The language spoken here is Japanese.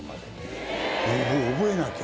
もう覚えなきゃ。